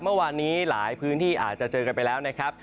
เมื่อวานนี้หลายพื้นที่อาจจะเจอกันไปแล้วนะครับ